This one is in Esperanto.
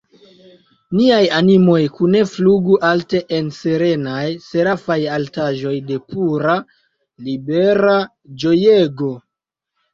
Niaj animoj kune flugu alte en serenaj, serafaj altaĵoj de pura, libera ĝojego!